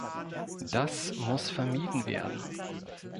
Das muss vermieden werden.